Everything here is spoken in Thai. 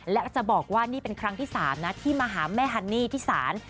และจะบอกว่านี่เป็นครั้งที่๓นะที่มาหาแม่ฮันนี่ที่ศาล